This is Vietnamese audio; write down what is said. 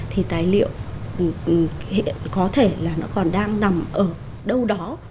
thì tài liệu hiện có thể là nó còn đang nằm ở đâu đó